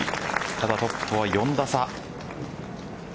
ただ、トップとは４打差。